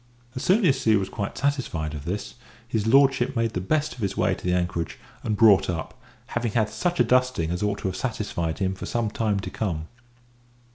As soon as he was quite satisfied of this, Lord made the best of his way to the anchorage, and brought up, having had such a dusting as ought to have satisfied him for some time to come.